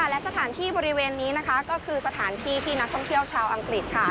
และสถานที่บริเวณนี้นะคะก็คือสถานที่ที่นักท่องเที่ยวชาวอังกฤษค่ะ